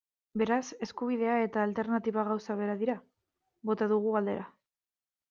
Beraz, eskubidea eta alternatiba gauza bera dira?, bota dugu galdera.